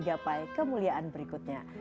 gapai kemuliaan berikutnya